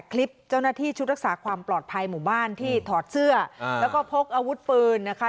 คลิปเจ้าหน้าที่ชุดรักษาความปลอดภัยหมู่บ้านที่ถอดเสื้อแล้วก็พกอาวุธปืนนะคะ